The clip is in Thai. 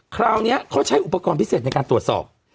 คราวนี้เขาใช้อุปกรณ์พิเศษในการตรวจสอบ